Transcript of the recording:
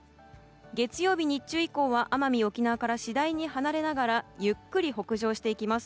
月曜日日中以降は奄美、沖縄から次第に離れながらゆっくり北上していきます。